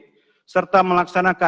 dan membuat perusahaan yang lebih mudah